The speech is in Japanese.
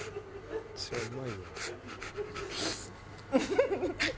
フフフフ！